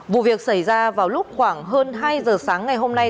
vụ việc xảy ra vào lúc khoảng hơn hai giờ sáng ngày hôm nay